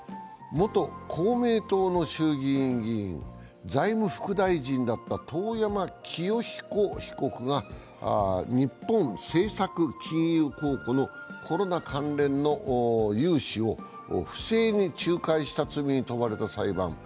元公明党の衆議院議員、財務副大臣だった遠山清彦被告が日本政策金融公庫のコロナ関連の融資を不正に仲介した罪に問われた裁判。